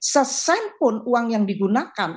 sesind pun uang yang digunakan